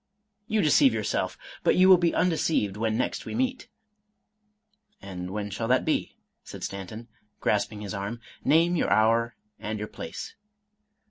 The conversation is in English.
" You deceive yourself, but you will be undeceived when next we meet." —" And when shall that be?" said Stanton, grasping his arm; "name your hour and your place."